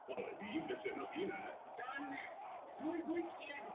Patřil mezi nejužší vedení této strany na Moravě.